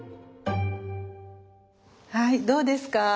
はいどうですか？